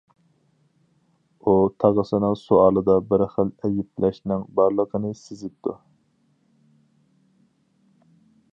ئۇ تاغىسىنىڭ سوئالىدا بىر خىل ئەيىبلەشنىڭ بارلىقىنى سېزىپتۇ.